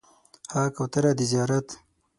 ها کوتره د زیارت